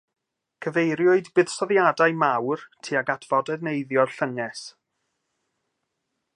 Cyfeiriwyd buddsoddiadau mawr tuag at foderneiddio'r llynges.